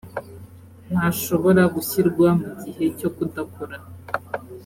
ntashobora gushyirwa mu gihe cyo kudakora